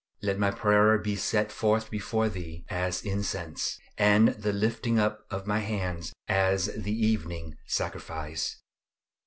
"LET MY PRAYER BE SET FORTH BEFORE THEE AS INCENSE: AND THE LIFTING UP OF MY HANDS AS THE EVENING SACRIFICE."